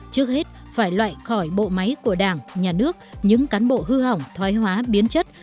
trước hết phải loại khỏi bộ máy của đảng nhà nước những cán bộ hư hỏng thoái hóa biến chất